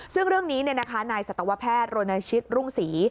ซึ่งเรื่องนี้นายสัตวแพทย์โรนาชิตรุ่งศรี